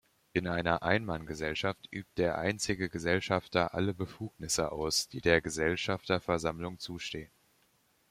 In einer Einmann-Gesellschaft übt der einzige Gesellschafter alle Befugnisse aus, die der Gesellschafterversammlung zustehen.